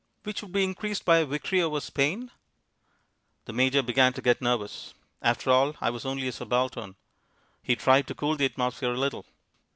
"Which would be increased by a victory over Spain?" The Major began to get nervous. After all, I was only a subaltern. He tried to cool the atmosphere a little.